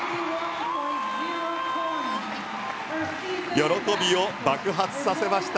喜びを爆発させました。